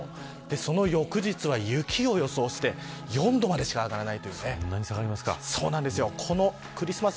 その翌日は、雪を予想して４度までしか上がらない。